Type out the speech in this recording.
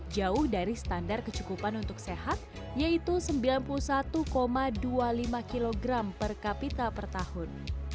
jauh dari standar kecukupan untuk sehat yaitu sembilan puluh satu dua puluh lima kg per kapita per tahun